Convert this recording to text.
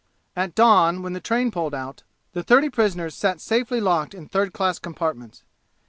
At dawn, when the train pulled out, the thirty prisoners sat safely locked in third class compartments.